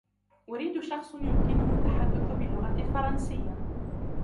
أريد شخص يمكنه التحدث باللغة الفرنسية.